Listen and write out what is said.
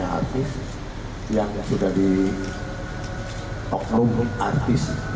ada artis yang sudah di oknum artis